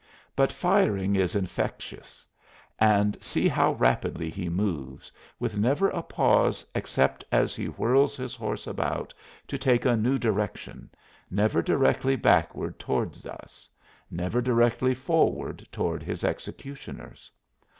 But firing is infectious and see how rapidly he moves, with never a pause except as he whirls his horse about to take a new direction, never directly backward toward us, never directly forward toward his executioners.